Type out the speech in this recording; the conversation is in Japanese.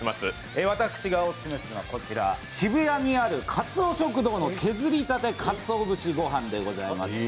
私がオススメするのはこちら、渋谷にあるかつお食堂の削りたてかつお節ごはんでございます。